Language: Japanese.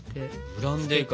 ブランデーか。